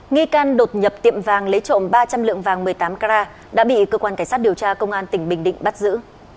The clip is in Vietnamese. nghi can đột nhập tiệm vàng lấy trộm ba trăm linh lượng vàng một mươi tám carat đã bị cơ quan cảnh sát điều tra công an tỉnh bình định bắt giữ